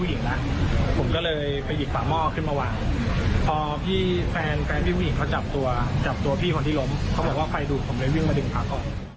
เขาบอกว่าไฟดูดผมเลยวิ่งมาดึงปลั๊กออก